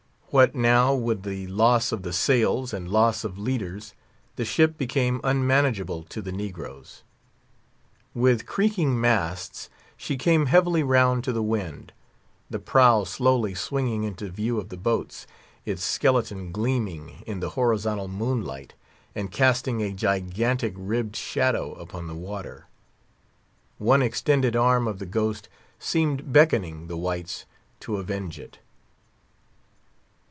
What now, with the loss of the sails, and loss of leaders, the ship became unmanageable to the negroes. With creaking masts, she came heavily round to the wind; the prow slowly swinging into view of the boats, its skeleton gleaming in the horizontal moonlight, and casting a gigantic ribbed shadow upon the water. One extended arm of the ghost seemed beckoning the whites to avenge it.